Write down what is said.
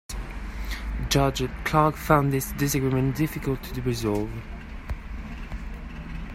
Judge Clark found this disagreement difficult to resolve.